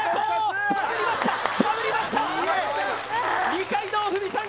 二階堂ふみさん